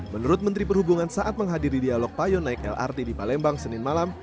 menurut menteri perhubungan saat menghadiri dialog payo naik lrt di palembang senin malam